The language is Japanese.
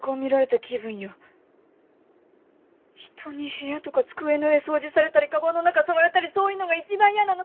人に部屋とか机の上掃除されたりカバンの中触られたりそういうのが一番イヤなの！